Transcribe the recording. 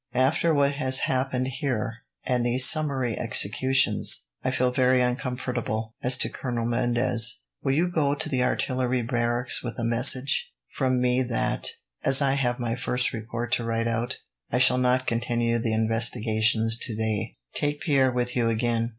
After what has happened here, and these summary executions, I feel very uncomfortable as to Colonel Mendez. Will you go to the artillery barracks with a message from me that, as I have my first report to write out, I shall not continue the investigations today? Take Pierre with you again."